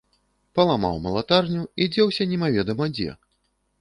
Паламаў малатарню і дзеўся немаведама дзе.